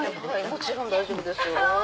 もちろん大丈夫ですよ。